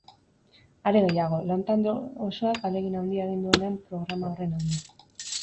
Are gehiago, lan-talde osoak ahalegin handia egin duenean programa horren alde.